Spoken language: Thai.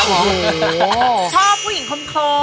ชอบผู้หญิงคอม